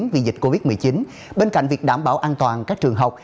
vì dịch covid một mươi chín bên cạnh việc đảm bảo an toàn các trường học